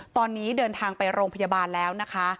ตอนนี้เดินทางไปโรงพยาบาลแล้วนะคะ